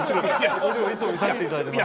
いつも見させていただいてます。